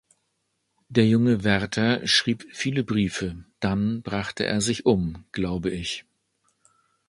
Der junge Werther schrieb viele Briefe – dann brachte er sich um glaube ich.